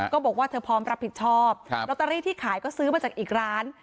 บอกว่าเธอพร้อมรับผิดชอบลอตเตอรี่ที่ขายก็ซื้อมาจากอีกร้าน